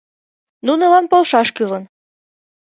Нунылан полшаш кӱлын.